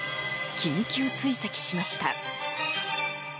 緊急追跡しました。